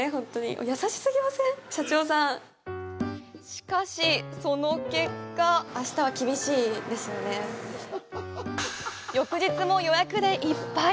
しかし、その結果翌日も予約でいっぱい。